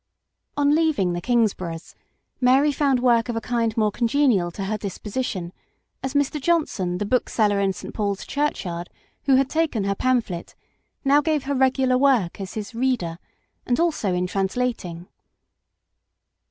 On leaving the Kingsboroughs, Mary found work of a kind more congenial to her disposition, as Mr. Johnson, the bookseller in St. Paul's Churchyard who had taken her pamphlet, now gave her regular work as his "reader," and also in translating.